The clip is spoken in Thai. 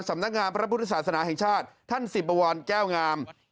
สำนักงานพระพุทธศาสนาแห่งชาติท่านสิบบวรแก้วงาม